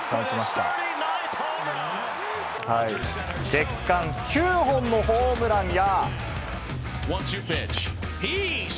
月間９本のホームランや。